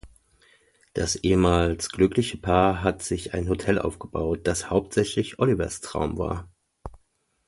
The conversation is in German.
Das ehemals glückliche Paar hat sich ein Hotel aufgebaut, das hauptsächlich Olivers Traum war.